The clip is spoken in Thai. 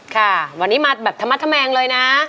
ค่ะวันนี้มาแบบธรรมธแมงเลยนะ